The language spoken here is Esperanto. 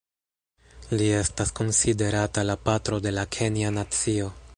Li estas konsiderata la patro de la kenja nacio.